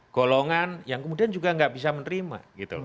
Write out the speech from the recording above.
golongan yang kemudian juga nggak bisa menerima